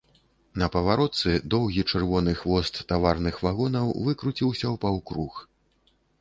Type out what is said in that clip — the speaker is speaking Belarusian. На паваротцы доўгі чырвоны хвост таварных вагонаў выкруціўся ў паўкруг.